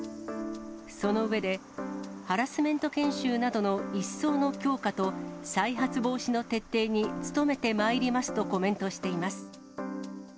その上で、ハラスメント研修などの一層の強化と、再発防止の徹底に努めてまいりますとコメントしています。